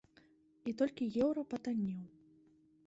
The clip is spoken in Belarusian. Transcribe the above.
І толькі еўра патаннеў.